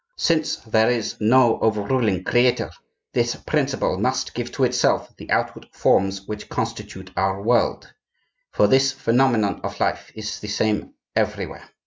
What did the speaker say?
Since there is no overruling creator, this principle must give to itself the outward forms which constitute our world—for this phenomenon of life is the same everywhere.